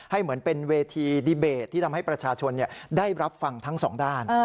เหมือนเป็นเวทีดีเบตที่ทำให้ประชาชนได้รับฟังทั้งสองด้าน